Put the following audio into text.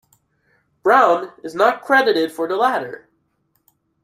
Brown is not credited for the latter.